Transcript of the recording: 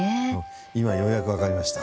今ようやくわかりました。